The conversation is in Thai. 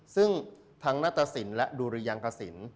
ซึ่งทั้งนัตตสินและดุริยังกสิน